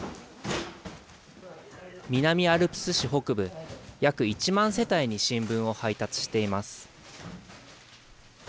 南アルプス市北部、約１万世帯に新聞を配達しています。